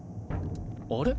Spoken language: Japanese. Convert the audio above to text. あれ？